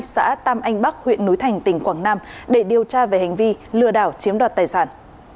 xã tam anh bắc huyện núi thành tỉnh quảng nam để điều tra về hành vi lừa đảo chiếm đoạt tài sản